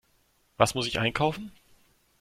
Was muss ich einkaufen?